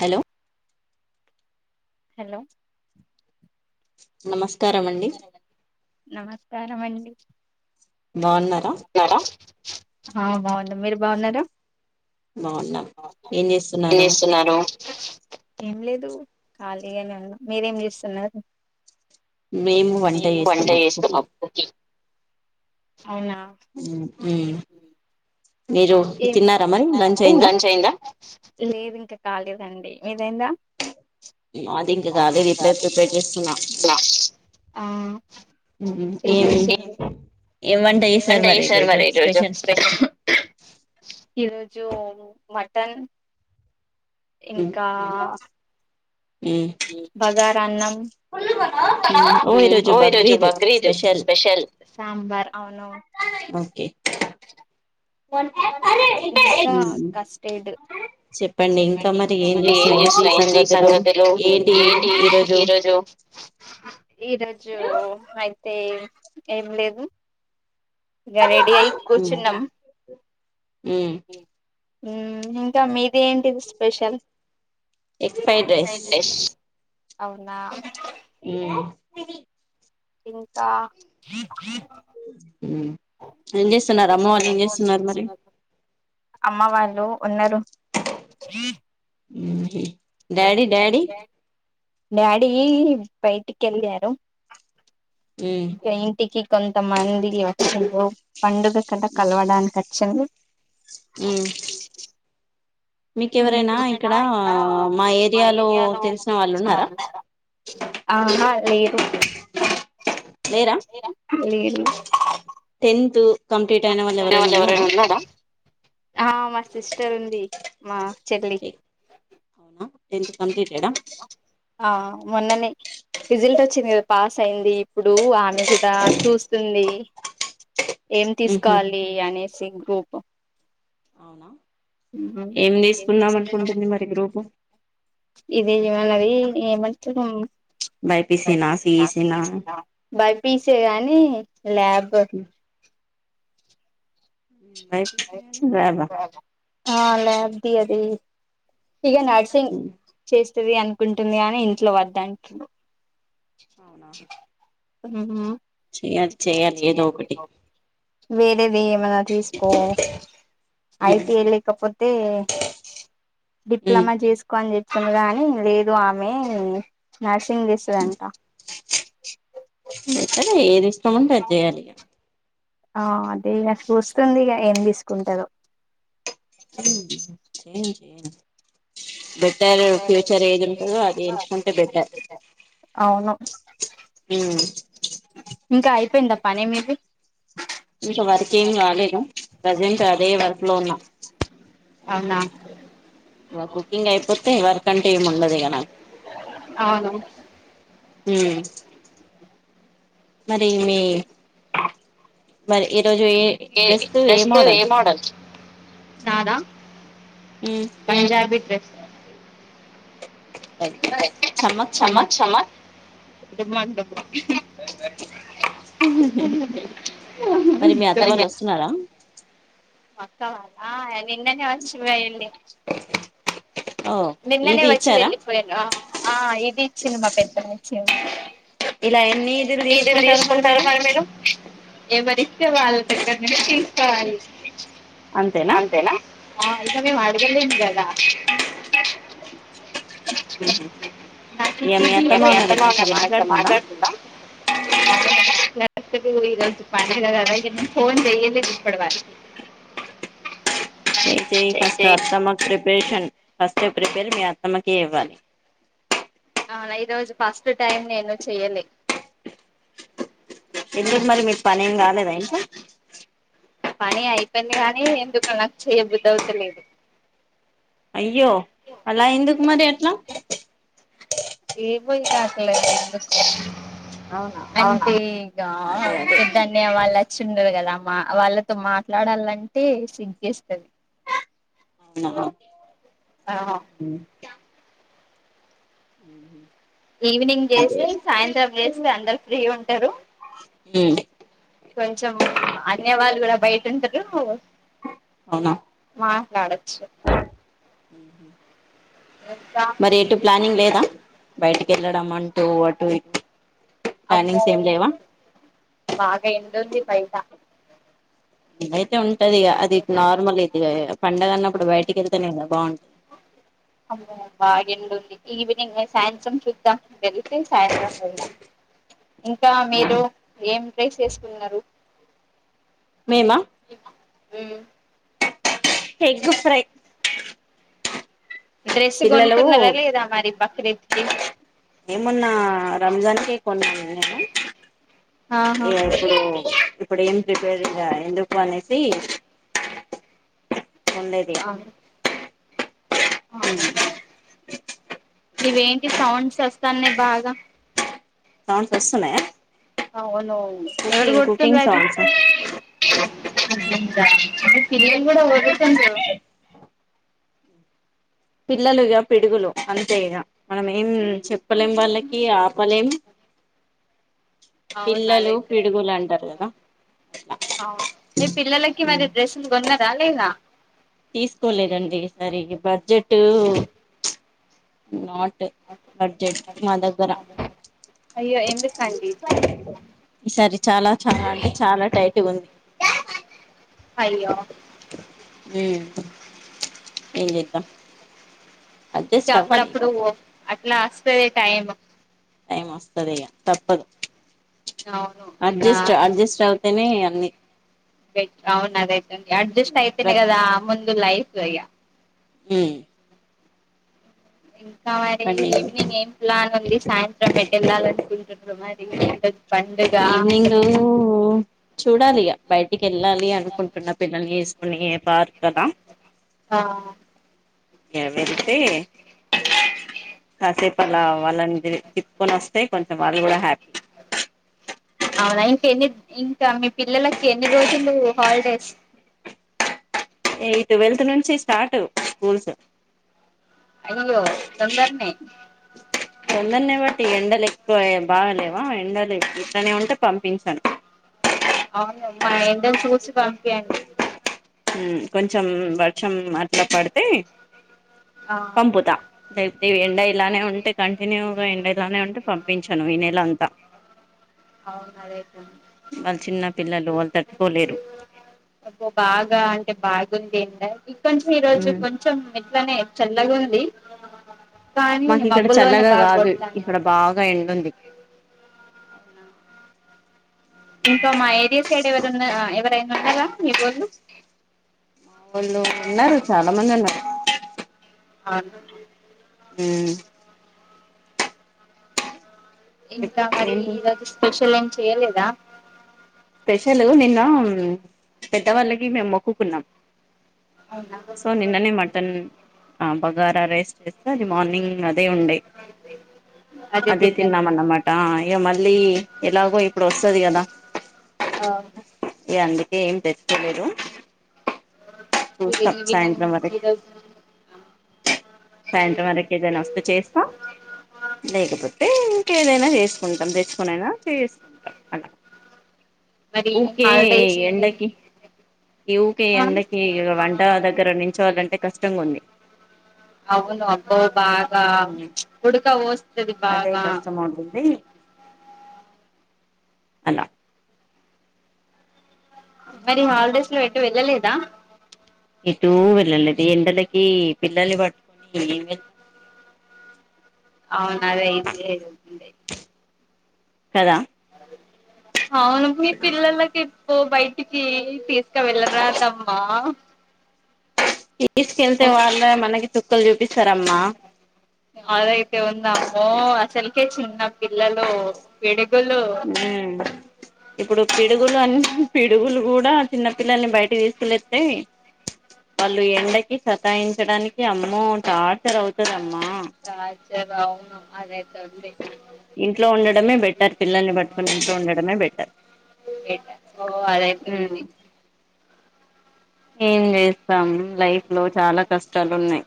Hello hello నమస్తే స్కారమండి. స్కారమండి. తిన్నారా ఆ బాగున్న మీరు బాగున్నార బాగున్నాం బాగున్న ఏం చేస్తున్నారు ఏం లేదు ఖాళీగానే ఉన్న మీరేం చేస్తున్నారు. మేము వంట చేస్తున్నాం కుకింగ్ అవునా ఊమ్ ఏం తిన్నారా మరి లంచ్ అయిందా లేదు ఇంకా కాలేదండి మిదైంద మాది ఇంకా కాలేదండి ఇప్పుడే ప్రిపేర్ చేస్తున్నా ఆ మ్ ఏం ఇప్పుడు ఏం వంట చేశారు మరి ఈరోజు స్పెషల్ ఈరోజు రోజు మటన్ మ్మ్ ఇంకా మ్మ్ ఊమ్ బగా రన్నం ఊ ఓ ఈరోజు బగ్రీదు స్పెషల్ సాంబార్ అవునవు బక్ ఏక్ ఇంకా కస్టెడ్ చెప్పండి ఇంకా మరి ఏం చేస్తున్నారు ఏంటి సంగతులు ఏంటి ఈరోజు ఈరోజు అయి ఏం ఏం లేదు ఇక రెడీ అయి కూర్చున్నాం మ్ ఉ ఇంకా మీ ఇదింటిది స్పెషల్ ఎగ్ ఫ్రైడ్ రైస్ అవునా మ్ ఇంకా ఉ ఉ ఏం చేస్తున్నారు అమ్మ వాళ్ళు ఏం చేస్తున్నారు మరి అమ్మ వాళ్ళు ఉన్నారు ఉహు డాడీ డాడీ డాడీ బయటికి వెళ్ళారు ఉమ్ బైటికి కొంతమంది వచ్చారు పండుగ కద కలవడానికి వచ్చింది ఉ మీకు ఎవరైనా ఇక్కడ మా ఏరియాలో తెలిసిన వాళ్ళు ఉన్నారా ఆహా లేరు లేరా టెన్త్ కంప్లీట్ అయిన వాళ్ళు ఎవరైనా ధన్యవాద ఎవర ఉన్నారా ఆ మా సిస్టర్ ఉంది మా చెట అవునా టెన్త్ కంప్లీటెడ్ హా మొన్ననే రిజల్ట్ వచ్చింది కదా పాస్ అయింది ఇప్పుడు ఆమె కూడా చూస్తుంది ఏం ఉహు తీసుకోవాలి అనేసి గ్రూప్ అవునా ఉ ఏం తీసుకుందాం అనుకుంటుంది మరి గ్రూపు ఇది ఎం అన్నది [unintelligible] బైపీసీనా సిఈసీనా [unintelligible] బయపీసే గాని ల్యాబ్ బబా ఆ ల్యాబ్ ది అది ఇక నర్సింగ్ ఉమ్ చేస్ వస్తుది అనుకుంటుంది కానీ ఇంట్లో వద్దన్ అవునా మ్మ్ హు చెయాల్ చేయాలి ఏదోకటి వేరేదియమ్ వా చేసుకో ఉమ్ ఐటీ లేకపోతే ఉమ్ డిప్లమా చేసుకోని చెప్ స్తున్ గాని లేదు ఆమె నర్సింగ్ ఆ బెటర్ ఏది ఉంట జేయాలిగ ఆ అదే ఇగ సూస్తుంది ఇగ ఏం తీసుకుంటదో హ్మ్ ఏమి చేయను బెటర్ ఫ్యూచర్ ఏది ఉంటదో అది ఎంచుకుంటే బెటర్, అవును పేంద పని మీది ఇంకా వర్క్ ఏం రాలేదు ప్రజెంట్ అదే వర్క్ లో ఉన్న అవునా వ కుకింగ్ అయిపోతే వర్ కంటే ఏమి ఉండదు కదా అవును మరి మీ మరి ఈ రోజు ఏ డ్రెస్త్ ఏ మోడల్ నాదా ఉమ్ పంజాబీ డ్రెస్ చమక్ చమ్మ చమక్ చమ్మత్ ఇ మంటమా మరి మీ అత్త వాళ్ళు వస్తున్నారా వస్తవా అలా ఎల్ నిన్ననే వచ్చి పోయింది, ఓ నిన్ననే ఇది వచ్చి ఇచ్చారా వెళ్ళిపోయింది ఆ ఇది ఇచ్చింది మా పెద్దమ్మ ఇచ్చింది. ఇలా ఎన్ని ఇదులు ఏమది తీసుకుంటారు మరి మీరు అంతేనా ఆ ఇదవే వాయి జరిగింద్ గద ఉహు నాకి ఇగ టి మీ బి అత్తమ్మ పోయ్ మరి మంచిగా మాట్లాడుతుందా యాచ్చువలి ఇరోజు పండగ గదా ఇగనేను ఫోన్ జెయ్యలేదు ఇప్పడ వరకు చెై చై చెయ్ ఫస్ట్ చెయ్ అత్తమ్మా చెప్ ప్రేషన్ ఫస్ట్ ప్రిపేర్ మీ అత్తమ్మకే ఇవ్వాలి అవునా ఈ రోజు ఫస్ట్ టైం నేను చెయ్యలే. ఈరోజు మరి పని ఏం కాలేదా ఇంట్ల పని అయిపోయింది. గానీ ఎందుకు అలా చేయ్ బుద్ధి అవుతలేదు అయ్యో అలా ఎందుకు మరి అట్లా కాకలే [unintelligible] అవునా అంటే ఇగా అదే అదే పెద్దన్నయ్య వాళ్ళు వచ్చిండ్రు కదా మా వాళ్ళతో మాట్లాడాలంటే సిగ్గేస్తది. అవునా ఆ ఉ‌ ఈవినింగ్ చేస్తే, సాయంత్రం చేస్తే ఉమ్ అందరు ఫ్రీ ఉంటారు. కొంచం అనే వాళ్ళు కూడా బయట ఉంటారు. అవునా మాట్లాడొచ్చు. హ ఇంకా మరి ఎటు ప్లానింగ్ లేదా బయ్టికి వెళ్ళడం అంటూ అటు ఇటు అమ్మో ప్లానింగ్స్ ఏం లేవా బాగా ఎండుంది బయట [unintelligible] అయితే ఉంటది. ఇగా అది నార్మల్ [unintelligible] పండగ అన్నప్పుడు బయటికి వెళ్తేనే కదా బాగుండేది అమ్మో బాగా ఎండుంది. ఈవినింగ్ సాయంత్రం చూద్దాం. వెళ్ళి సాయంత్రం వెళ్దాం. ఇంకా మీరు ఏం డ్రెస్ యేసుకున్నరు మేమా హ్మ్ ఎగ్ ఫ్రై డ్రెస్ పిల్లలు కొనుక్కున్నారా లేదా మరి బక్రీద్ కి ఏమున్నా రంజాన్ కే కొన్నాను నేను ఆహా ఇగా ఇప్పుడు ఇప్పుడు ఏం ప్రిపేర్ చేయ ఎందుకు అనేసి ఉండేది అవునా ఇవేంటి సౌండ్స్ చస్తాన్నే బాగా సౌండ్స్ వస్తున్నాయా అవును ఎవరు కుకింగ్, కొడుతుండ్రు కుకింగ్ సౌండ్స్ ఎ అ [unintelligible] కూడా [unintelligible] పిల్లలు ఇగ పిడుగులు అంతే ఇగ మనం ఏం చెప్పలేం వాళ్ళకి ఆపలేం అవునా పిల్లలు అదైతే పిడుగులు అంటారు కదా అట్లా అవును మీ పిల్లలకి మరి డ్రెస్సులు కొన్నారా లేదా తీసుకోలేదండి ఈ సరి బడ్జెటు నా బడ్జెట్ మా దగ్గర అయ్యో ఎందుకండి ఇట్లా ఈ సరి చాలా చాలా అంటే చాలా టైట్ ఉంది అయ్యో ఉమ్ ఏం చెతా ఇకా అప్పుడప్పుడు అట్లా [unintelligible] టైమ్ టైమ్ వస్తది ఇగ తప్పదు అవును ఇక అడ్జస్ట్ అడ్జస్ట్ తనే అన్నీ అవును [unintelligible] అడ్జస్ట్ అయితేన గదా ముందు లైఫ్ [unintelligible] మ్మ్ ఇంకా మరి చెప్పండి ఈవినింగ్ ఏం ప్లాన్ ఉంది సాయంత్రం [unintelligible] వెళ్ళాలినుకుంటు మరి పండుగ అసలు ఈవెనింగ్ చూడాలి ఇక బయటికి వెళ్ళాలి అనుకుంటున్న పిల్లల్ని వేసుకుని పార్ కదా ఆ ఇగ పెడితే కాసేపు అలా వాళ్ళని తిప్పుకొని వస్తే కొంచెం వాళ్ళు కూడా హ్యాపీ అవునా ఇంక ఎన్ని ఇంకా మీ పిల్లలకి ఎన్ని రోజులు హాలిడేస్ ఎత్ట్వెల్త్ నుంచి స్టార్ట్ స్కూల్స్ అయ్యో తొందరనే తొందరిని బట్టి ఎండలు ఎక్కువ బాగాలేవా ఎండలు ఇట్లనే ఉంటే పంపించాను అవునులే మా ఎండలు చూసి పంపియండి కొంచెం వర్షం అట్లా పడితే ఆ పంపుతా ఎండ ఇలానే ఉంటే కంటిన్యూగా [unintelligible] ఉంటే పంపించాను ఈ నెల అంతా అవును అదైతే వాళ్ళ చిన్న పిల్లలు వాళ్ళు తట్టుకోలేరు ఇగ అంటే బాగుంది ఎండ ఇంకొంచెం ఈరోజు కొంచెం అట్లానే చల్లగ ఉంది కానీ మబ్బుల్లోనే అంత బాగా గాదు కొడతాంది ఇక్కడ బాగా ఎండుంది. ఇంకా మా ఏరియా సైడ్ ఎవరున్న ఎవరైనా ఉన్నరా మీ వొళ్ళు మా వొళ్ళు ఉన్నారు. చాలా మంది ఉన్నారు. అ హ్మ్ ఇంకా మరి ఏంటి ఈరోజు స్పెషల్ ఏం చెయ్యలేదు. దా స్పెషలు నిన్న పెద్దవాళ్ళకి మేము మొక్కుకున్నాం అవునా సో నిన్ననే మటన్ ఆ బగారా రైస్ ఎంత అది మార్నింగ్ అదే ఉండే అదే తిన్నాం అన్నమాట ఇ మ మళ్ళీ ఎలాగో ఇప్పుడు వస్తది కదా ఆ యా అందుకే ఏం తెచ్చుకోలేదు ఇగ చూస్తాం ఈవినింగ్ సాయంత్రం వరకి ఈరోజు సాయంత్రం వరకు ఏదైనా వస్తే చేస్తాం లేకపోతే ఇంకేదైనా చేసుకుంటాం తెచ్చుకొనైన చేసుకుంటాం అలా ఊకే ఎండకి ఈ ఊకే ఆ ఎండకి ఇగ వంట దగ్గర నిల్చోవాలంటే కష్టం. అడ్డంగ ఉంది అవును అబ్బ బాగా ప్చ్ ఉడక వొస్తది అదే బాగా కష్టం అవుతుంది అలా మరి హాలిడేస్ లో ఎట్ ఎటు వెళ్ళలేదా ఎటూ వెళ్ళలేదు ఎండలకి పిల్లల్ని పట్టుకొని ఏం వెళ్ అవును అదే ఇప్పుడే చేసింది కదా అ అవును మీ పిల్లలకి నువ్ బయటికి తీసుక వెళ్ళరాదమ్మా తీస్కెళ్తే ము వాల్లే మనకి చుక్కల్ చూపిస్తరమ్మా అదైతే ఒంద అమ్మో అసలకే చిన్న పిల్లలు [unintelligible] ఉ ఇప్పుడు పిడుగులు అన్న [unintelligible] [unintelligible] అవును అదే ఇంట్లో ఉండడమే బెటర్ పిల్లల్ని పట్టుకొని ఇంట్లో ఉండడమే బెటర్ ఓ అదేతే ఉమ్ ఉంది ఏం స్తాం లైఫ్ లో చాలా కష్టాలు ఉన్నాయి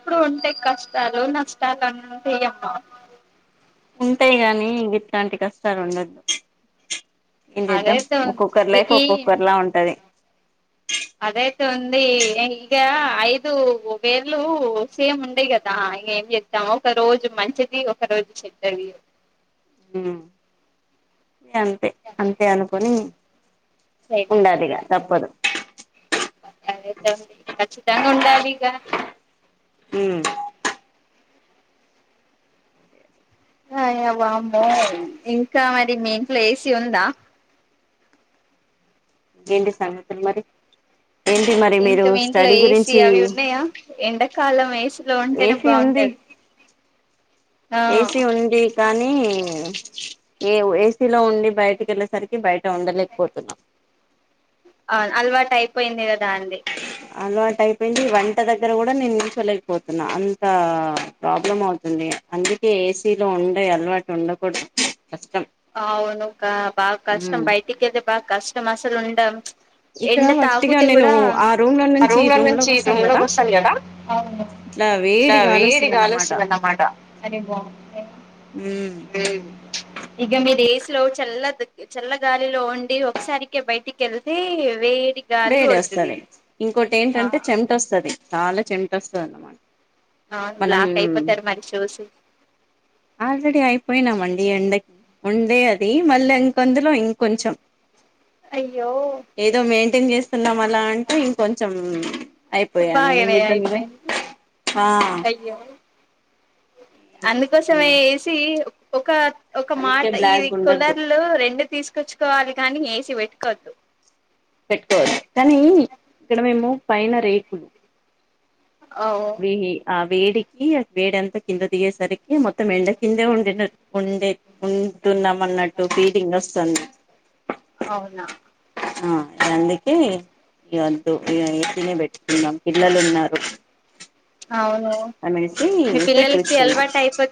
ఇప్పుడు ఉంటే కష్టాలు నష్టాలు ఉంటాయి అమ్మా ఉంటాయి గానీ ఇట్లాంటి కష్టాలు ఉండద్దు ఏం చేద్దాం అదైతే ఒక్కొక్కర్ ఉంది లైఫ్ ఈ ఒక్కొక్కర్ల ఉంటది అదైతే ఉంది, ఇక ఐదు వేళ్ళు సేమ్ ఉండియి కదా ఇక ఏం చెద్దాము ఒక రోజు మంచిది ఒక రోజు చెద్దది ఉ అంతే అంతే అనుకుని సైలెంట్ ఉండదు ఇక ఉండాలి తప్పదు జాలిగా హు ఇంకా మరి మెయిన్ ప్లేస్ ఉందా ఏంటి సంగతులు మరి ఏంటి మరి మీరు ఇంకా మీ ఇంట్లో స్టడీ ఏ సీ గురించి అవి ఉన్నాయా ఎండాకాలం ఏసీలో ఉంటేనే ఏసీ ఉంది బాగుంటది. ఏసీ ఆ ఉంది కానీ ఏ ఏసీలో ఉండి బయటికి వెళ్ళేసరికి బయట ఉండలేకపోతున్నాం అవు అల్వా టైపోయింది కదా అండి అలవాటు అయిపోయింది వంట దగ్గర కూడా నేను నిల్చోలేకపోతున్నా అంత ప్రాబ్లం అవుతుంది, అందుకే ఏసీలో ఉండే అలవాటు ఉండకూడదు. కష్టం అవునుకా బా కష్టం ఉమ్ బయటికిద బా కష్టం మసలు ఉండ ఇక్కడ ఎండ వట్టిగా తాకతే నేను కూడా ఆ రూమ్ లో ఆ నుంచి ఈ రూమ్ల లోకి నుంచి రూమ్ కదా లోకి వస్తాను కదా ఇలా వేడి గాలి వస్తుంద అన్నమాట ఉమ్ మీ డేసులో చల్ల చల్ల గాలిలో ఉండి ఒకసారికి బయటికి వెళ్తే వే వేడి వస్తుది ఇంకొటి ఆ ఏంటంటే చెమట వస్తుది చాలా చెంట వస్తుంది అన్నమాట అవును మనం బ్లాక్ అయిపోతారు మరి షూస్ ఆల్రెడీ అయిపోయినామండి, ఎండకి ఉండే అది మళ్ళీ ఇంకొందులో ఇం కొంచెం అయ్యో [unintelligible] చేసుకుందాం అలా అంటే ఇంకొంచం అయిపోయా ఎం బాగానే చేదాం ఇంకా అయిపోయింది అందుకోసమ ఏ సి ఒ ఒక అందుకే మాట ఈ బ్లాక్ ఉండద్దు కులర్లు రెండు తీసుకొచ్చుకోవాలి కాని ఏసీ పెట్టు కదు పెట్టుకోవాలి కానీ ఇక్కడ మేము పైన రేకులు ఓ అవి ఆ వేడికి వేడి అంతా కింద దిగేసరికి మొత్తం ఎండ కిందే వండిన ఉండే న్నా అన్నట్టు ఫీలింగ్ వస్తుంది అవునా ఆ అందుకే ఇ వద్దు ఇ వసనే పెట్టుకున్నాం పిల్లలు ఉన్నారు అవును అనేసి మీ పిల్లకి ఎల్వ పెట్టించుకున్నాం టైప్చ్చ